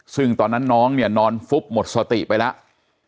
ซึ่งตอนนั้นน้องเนี่ยนอนฟุบหมดสติไปแล้ว